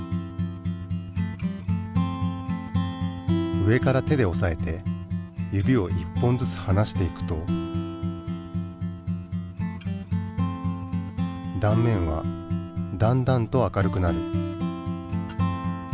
上から手でおさえて指を１本ずつはなしていくと断面はだんだんと明るくなる。